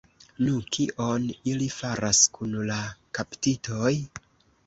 Nu, kion ili faras kun la kaptitoj?